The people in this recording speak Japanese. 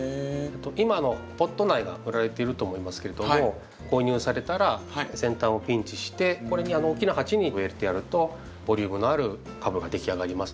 今ポット苗が売られていると思いますけれども購入されたら先端をピンチして大きな鉢に植えてやるとボリュームのある株ができ上がります。